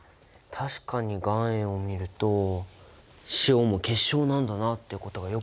確かに岩塩を見ると塩も結晶なんだなってことがよく分かるね。